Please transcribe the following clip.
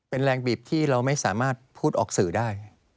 เป็นแรงบีบที่เราไม่สามารถพูดออกสื่อได้